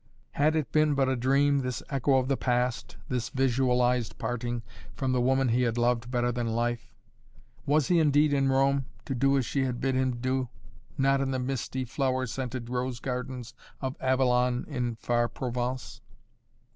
Had it been but a dream, this echo of the past, this visualized parting from the woman he had loved better than life? Was he indeed in Rome, to do as she had bid him do, not in the misty, flower scented rose gardens of Avalon in far Provence?